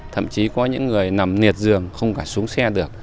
thậm chí có những người nằm niệt giường không cả xuống xe được